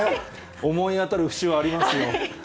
思い当たるふしはありますよ。